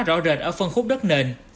rõ rệt ở phân khúc đất nền